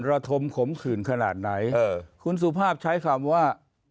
ระทมขมขื่นขนาดไหนเออคุณสุภาพใช้คำว่า